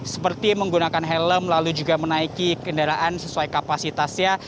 seperti menggunakan helm lalu juga menaiki kendaraan sesuai kapasitasnya